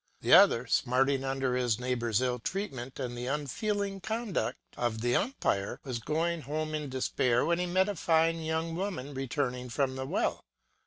The other, smarting under his neigh bor's ill treatment and the unfeeling conduct of the umpire, was going home in despair, when he met a fine young woman returning from the well.